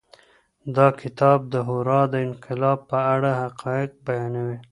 دا کتاب د هورا د انقلاب په اړه حقايق بيانوي.